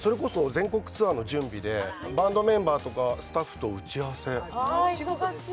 それこそ全国ツアーの準備でバンドメンバーとかスタッフと打ち合わせ。